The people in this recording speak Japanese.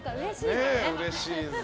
うれしいですね。